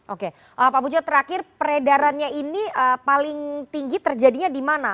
oke pak bujo terakhir peredarannya ini paling tinggi terjadinya di mana